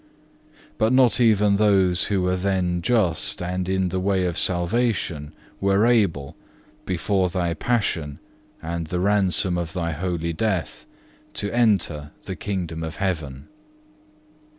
But not even those who were then just and in the way of salvation were able, before Thy Passion and the ransom of Thy holy Death, to enter the kingdom of heaven.